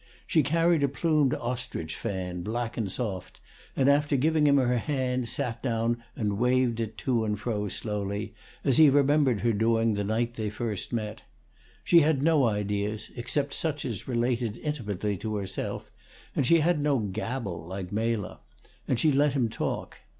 She carried a plumed ostrich fan, black and soft, and after giving him her hand, sat down and waved it to and fro slowly, as he remembered her doing the night they first met. She had no ideas, except such as related intimately to herself, and she had no gabble, like Mela; and she let him talk.